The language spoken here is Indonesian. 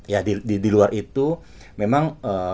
ya di luar itu memang